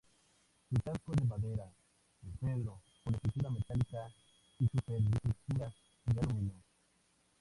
Su casco es de madera de cedro con estructura metálica y superestructura de aluminio.